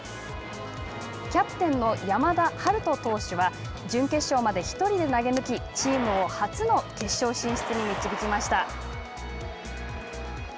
キャプテンの山田陽翔投手は準決勝まで１人で投げ抜きチームを初の決勝進出に導きました。